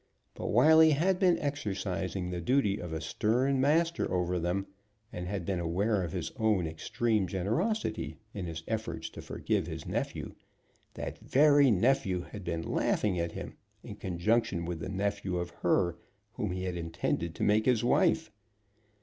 But, while he had been exercising the duty of a stern master over them, and had been aware of his own extreme generosity in his efforts to forgive his nephew, that very nephew had been laughing at him, in conjunction with the nephew of her whom he had intended to make his wife!